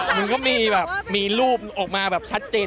มึงก็มีรูปออกมาแบบชัดจริง